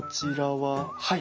はい。